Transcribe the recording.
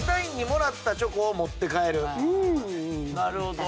なるほど。